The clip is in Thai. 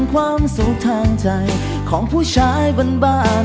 ข่าวข่าวของผู้บ้า